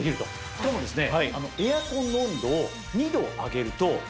しかもですね。